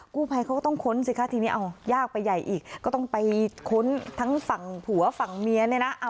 กู้ภัยเขาก็ต้องค้นสิคะทีนี้เอายากไปใหญ่อีกก็ต้องไปค้นทั้งฝั่งผัวฝั่งเมียเนี่ยนะ